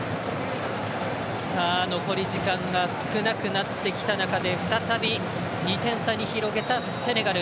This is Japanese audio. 残り時間が少なくなってきた中で再び２点差に広げたセネガル。